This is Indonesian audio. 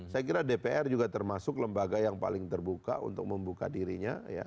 saya kira dpr juga termasuk lembaga yang paling terbuka untuk membuka dirinya